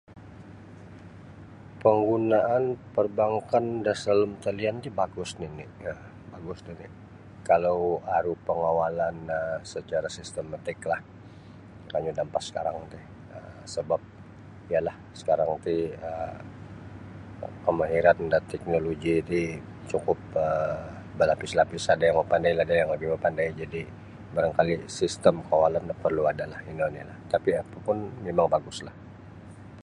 Panggunaan perbankan da salalum talian ti bagus nini um bagus nini kalau aru pengawalan um secara sistemetiklah kanyu da ampas sekarang ti sebap yalah sekarang ti um kemahiran da teknoloji ti cukup um balapis-lapis ada yang mapandai ada yang lagi mapandai barangkali sistem kawalan no perlu adalah ino onilah tapi apa pun mimang baguslah.